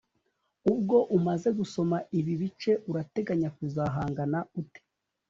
Ubwo umaze gusoma ibi bice urateganya kuzahangana ute